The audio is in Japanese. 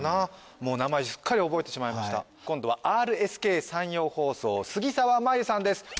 もう名前すっかり覚えてしまいました今度はＲＳＫ山陽放送杉澤眞優さんです